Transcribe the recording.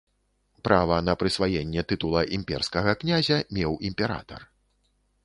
Права на прысваенне тытула імперскага князя меў імператар.